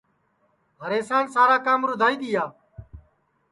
ہریشان سارا کام رُدھائی دؔیا